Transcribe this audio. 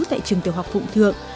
tại trường tiểu học phụng thượng